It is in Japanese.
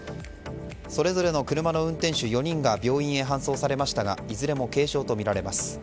それぞれの車の運転手４人が病院へ搬送されましたがいずれも軽傷とみられます。